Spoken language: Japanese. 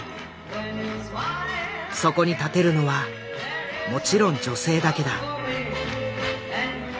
そこに立てるのはもちろん女性だけだ。